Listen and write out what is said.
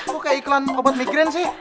kok kayak iklan obat migrain sih